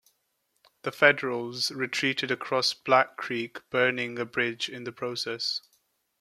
The Federals retreated across Black Creek burning a bridge in the process.